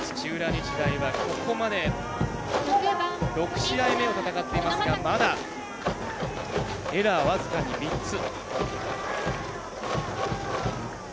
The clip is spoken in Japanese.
日大は、ここまで６試合目を戦っていますがまだ、エラー僅かに３つ。